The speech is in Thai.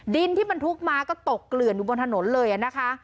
ดินที่บรรทุกมาก็ตกเกลื่อนอยู่บนถนนเลยนะคะ